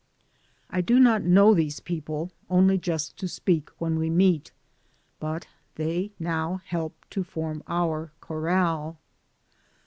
I do not know these people, only just to speak when we meet, but they now help to form our corral.